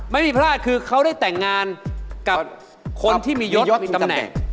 ไม่มีพลาดคือเขาได้แต่งงานกับคนที่มียศมีตำแหน่ง